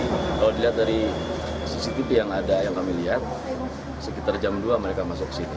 kalau dilihat dari cctv yang ada yang kami lihat sekitar jam dua mereka masuk ke situ